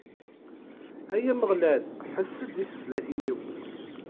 Ay Ameɣlal, ḥess-d i tẓallit-iw!